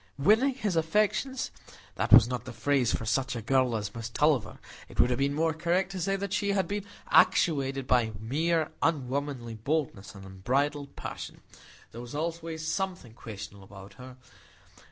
Winning his affections? That was not the phrase for such a girl as Miss Tulliver; it would have been more correct to say that she had been actuated by mere unwomanly boldness and unbridled passion. There was always something questionable about her.